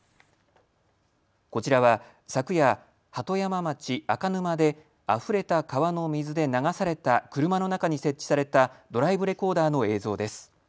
こちらは昨夜、鳩山町赤沼であふれた川の水で流された車の中に設置されたドライブレコーダーの映像です。